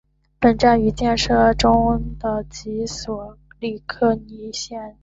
本站与建设中的及索科利尼基线延长段相连。